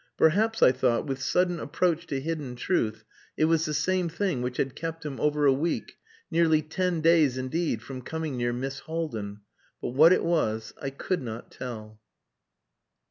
Perhaps, I thought, with sudden approach to hidden truth, it was the same thing which had kept him over a week, nearly ten days indeed, from coming near Miss Haldin. But what it was I could not tell.